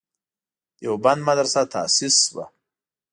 دیوبند مدرسه تاسیس شوه.